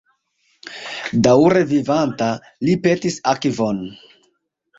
Daŭre vivanta, li petis akvon.